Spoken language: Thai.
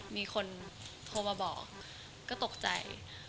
มีคนโทรมาบอกก็ตกใจ